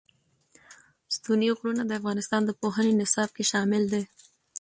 ستوني غرونه د افغانستان د پوهنې نصاب کې شامل دي.